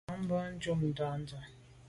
Mfan bon tshob ntùm ndà.